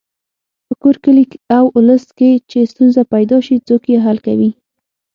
په کور، کلي او ولس کې چې ستونزه پیدا شي څوک یې حل کوي.